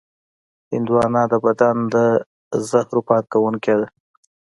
هندوانه د بدن د زهرو پاکوونکې ده.